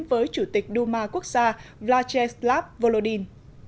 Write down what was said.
với chủ tịch duma quốc gia vlacheslav volodin